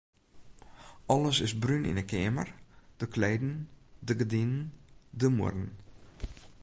Alles is brún yn 'e keamer: de kleden, de gerdinen, de muorren.